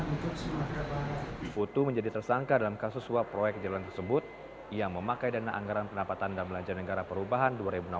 iputu menjadi tersangka dalam kasus suap proyek jalan tersebut yang memakai dana anggaran pendapatan dan belanja negara perubahan dua ribu enam belas